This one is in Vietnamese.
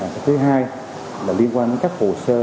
cái thứ hai là liên quan đến các hồ sơ